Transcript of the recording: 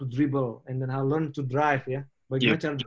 dribble lalu saya belajar bergerak ya